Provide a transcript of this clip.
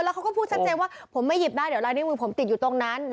แล้วเขาก็พูดซัดใจว่าผมไม่หยิบได้เดี๋ยวรายละเอียดมือผมติดอยู่ตรงนั้น